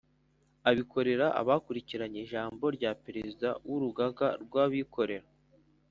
Abikorera bakurikiranye ijambo rya Perezida w Urugaga rw Abikorera